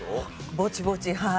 ぼちぼちはい。